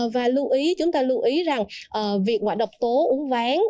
và chúng ta lưu ý rằng việc ngoại độc tố uấn ván